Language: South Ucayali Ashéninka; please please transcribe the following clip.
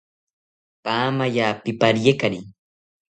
Paamaya pipariekari